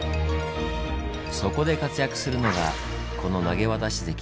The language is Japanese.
そこで活躍するのがこの投渡堰。